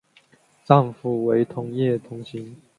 丈夫为同业同行。